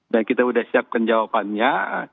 dan kita sudah siapkan jawabannya